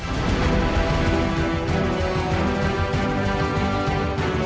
โปรดติดตามตอนต่อไป